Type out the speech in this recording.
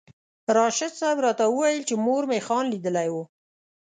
راشد صاحب راته وویل چې مور مې خان لیدلی و.